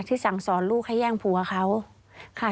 ที่สั่งสอนลูกให้แย่งผู้กับเขา